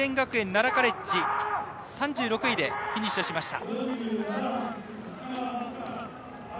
奈良カレッジ３６位でフィニッシュしました。